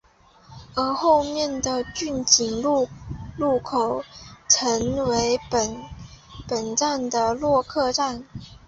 而后面的骏景路路口曾为本站的落客站。